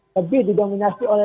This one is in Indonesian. lebih didominasi oleh